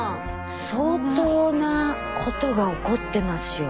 相当なことが起こってますよ。